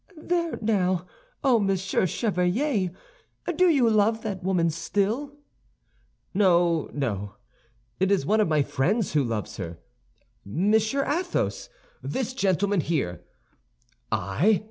"There, now! Oh, Monsieur Chevalier, do you love that woman still?" "No, no; it is one of my friends who loves her—Monsieur Athos, this gentleman here." "I?"